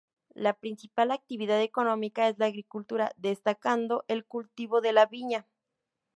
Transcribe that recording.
La principal actividad económica es la agricultura, destacando el cultivo de la viña.